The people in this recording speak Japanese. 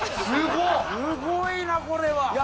すごいなこれは。